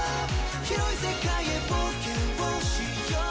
「広い世界へ冒険をしよう」